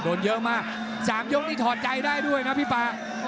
โดนเยอะมาก๓ยกนี่ถอดใจได้ด้วยนะพี่ฟ้า